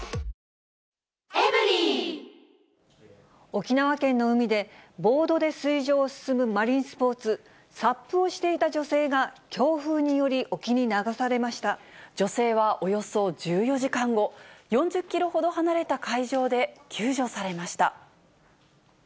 沖縄県の海で、ボードで水上を進むマリンスポーツ、サップをしていた女性が、女性はおよそ１４時間後、４０キロほど離れた海上で救助されました。